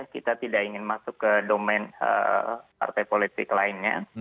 kita tidak ingin masuk ke domen partai politik lainnya